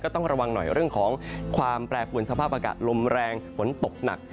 ต้องระวังหน่อยเรื่องของความแปรปวนสภาพอากาศลมแรงฝนตกหนัก